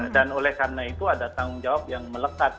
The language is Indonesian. dan oleh karena itu ada tanggung jawab yang melekat